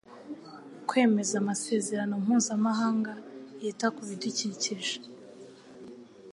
kwemeza amasezerano mpuzamahanga yita kubidukikije